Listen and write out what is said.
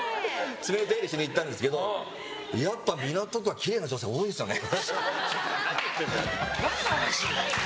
爪の手入れしに行ったんですけどやっぱり、港区はきれいな女性が多いですよね。